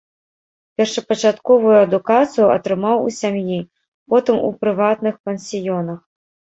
Першапачатковую адукацыю атрымаў у сям'і, потым у прыватных пансіёнах.